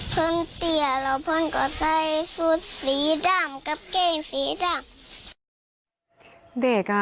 เพราะเตี้ยเราเพื่อนก็ใส่สูตรสีดำกับเก้สีดำ